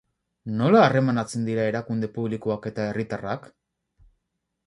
Nola harremantzen dira erakunde publikoak eta herritarrak?